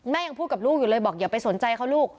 ยังพูดกับลูกอยู่เลยบอกอย่าไปสนใจเขาลูก